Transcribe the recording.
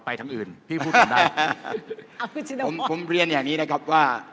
ทางอื่นพี่พูดกันได้ผมผมเรียนอย่างนี้นะครับว่า